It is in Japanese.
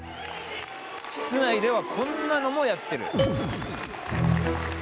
室内ではこんなのもやってる。